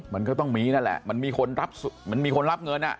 มันก็ต้องมีนั่นแหละมันมีคนรับเงิน